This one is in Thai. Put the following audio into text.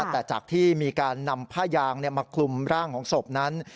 แต่จากที่มีการนำผ้ายางมาคลุมร่างของศพนั้น